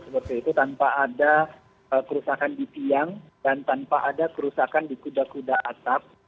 seperti itu tanpa ada kerusakan di tiang dan tanpa ada kerusakan di kuda kuda atap